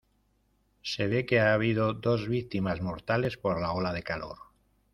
Se ve que ha habido dos víctimas mortales por la ola de calor.